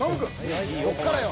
こっからよ。